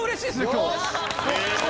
今日！